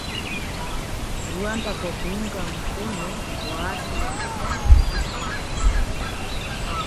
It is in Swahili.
Rwanda kwa kuunga mkono waasi wa M ishirini na tatu